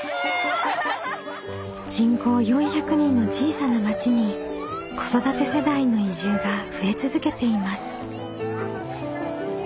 人口４００人の小さな町に子育て世代の移住が増え続けています。